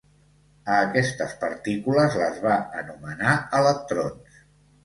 A aquestes partícules les va anomenar electrons.